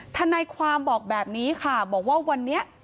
ทนายความบอกแบบนี้ค่ะบอกว่าวันนี้